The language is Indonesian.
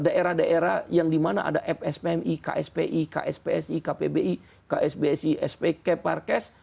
daerah daerah yang dimana ada fspmi kspi kspsi kpbi ksbsi spk parkes